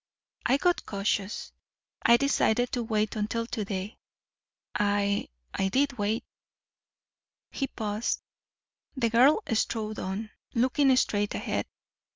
I got cautious. I decided to wait until to day. I I did wait." He paused. The girl strode on, looking straight ahead.